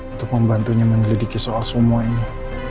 untuk membantunya menyelidiki soal semua ini